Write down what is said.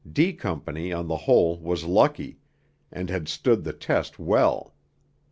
D Company on the whole was lucky, and had stood the test well.